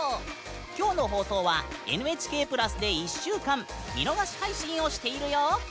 きょうの放送はＮＨＫプラスで１週間見逃し配信をしているよ！